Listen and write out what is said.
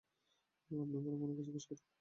আপনি বরং উনাকে জিজ্ঞেস করুন!